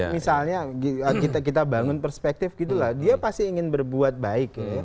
misalnya kita bangun perspektif gitu lah dia pasti ingin berbuat baik